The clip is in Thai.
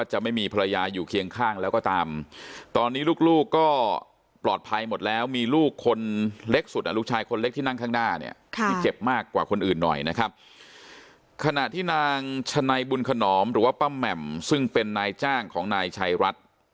หรือว่าป้ำแหม่มซึ่งเป็นนายจ้างของนายชายรัฐ